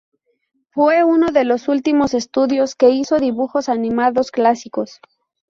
Fue uno de los últimos estudios que hizo dibujos animados clásicos.